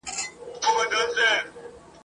ويل يې چپ سه بېخبره بې دركه !.